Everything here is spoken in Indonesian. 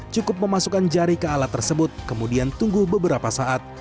cukup memasukkan jari ke alat tersebut kemudian tunggu beberapa saat